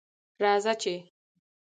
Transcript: راځه چې